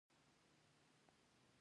آیا ګل ګاو زبان د اعصابو لپاره نه دی؟